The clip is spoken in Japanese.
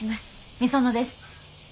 御園です。